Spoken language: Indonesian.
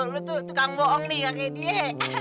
lu tuh tukang bohong nih gak kaya dia